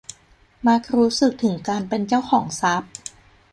มักรู้สึกถึงการเป็นเจ้าของทรัพย์